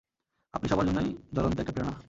আপনি সবার জন্যই জ্বলন্ত একটা প্রেরণা!